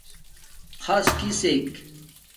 خص کسک